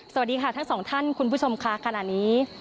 สวัสดีค่ะทั้งสองท่านคุณผู้ชมค่ะขณะนี้